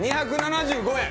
２７５円